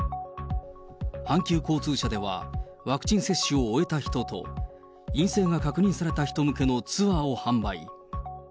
阪急交通社では、ワクチン接種を終えた人と、陰性が確認された人向けのツアーを販売。